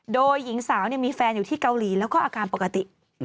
โดยหญิงสาวมีแฟนอยู่ที่เกาหลีแล้วก็อาการปกติ